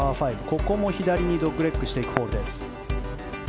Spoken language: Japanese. ここも左にドッグレッグしていくホールです。